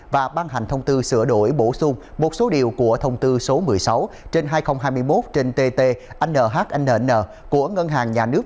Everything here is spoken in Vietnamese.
và ban hành thông tư sửa đổi bổ sung một số điều của thông tư số một mươi sáu trên hai nghìn hai mươi một trên tt nhnn của ngân hàng nhà nước